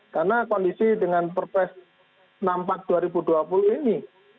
karena kondisi dengan perpes nampak dua ribu dua puluh ini